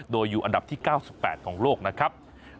โดยอยู่อันดับที่๙๘ของโลกนะครับ